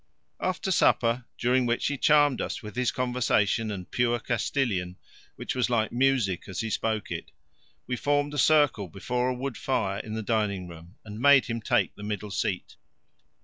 After supper, during which he charmed us with his conversation and pure Castilian, which was like music as he spoke it, we formed a circle before a wood fire in the dining room and made him take the middle seat.